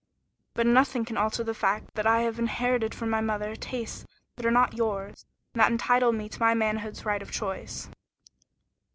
But nothing can alter the fact that I have inherited from my mother tastes that are not yours, and that entitle me to my manhood's right of choice."